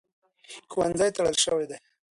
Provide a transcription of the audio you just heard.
ښوونځي تړل شوي دي.